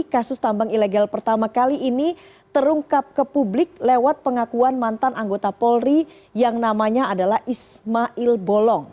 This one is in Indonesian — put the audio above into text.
kasus tambang ilegal pertama kali ini terungkap ke publik lewat pengakuan mantan anggota polri yang namanya adalah ismail bolong